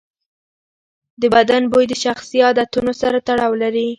د بدن بوی د شخصي عادتونو سره تړاو لري.